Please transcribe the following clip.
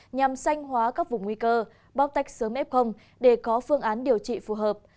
nhằm sanh hóa các vùng nguy cơ bóc tách sớm f để có phương án điều trị phù hợp